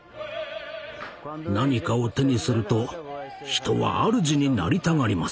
何かを手にすると人はあるじになりたがります。